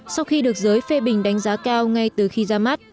sau khi được giới phê bình đánh giá cao ngay từ khi ra mắt